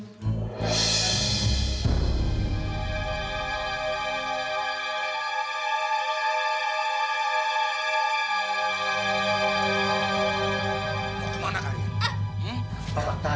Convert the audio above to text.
dek aku mau ke sana